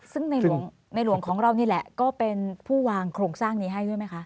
ซึ่งในหลวงของเรานี่แหละก็เป็นผู้วางโครงสร้างนี้ให้ด้วยไหมคะ